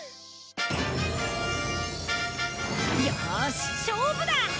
よーし勝負だ！